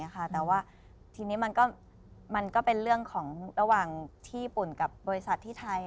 แต่ว่าทีนี้มันก็เป็นเรื่องของระหว่างที่ญี่ปุ่นกับบริษัทที่ไทย